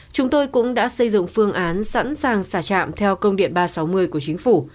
chúng tôi cũng đã xây dựng phương án sẵn sàng xả trạm theo công điện ba trăm sáu mươi của chính phủ